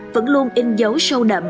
vẫn luôn in dấu sâu đậm